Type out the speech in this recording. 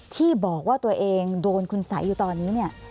ที่บอกว่าตัวเองโดนคุณสัยอยู่ตอนนี้เนี่ย